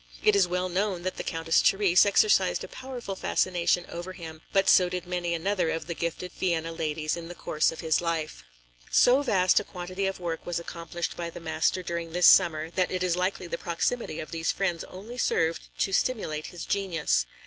It is well known that the Countess Therese exercised a powerful fascination over him, but so did many another of the gifted Vienna ladies in the course of his life. So vast a quantity of work was accomplished by the master during this summer, that it is likely the proximity of these friends only served to stimulate his genius.